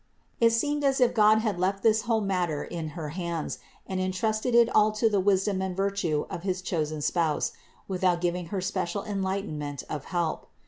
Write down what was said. It seemed as if God had left this whole matter in her hands and en trusted it all to the wisdom and virtue of his chosen THE INCARNATION 309 Spouse, without giving Her special enlightenment of help.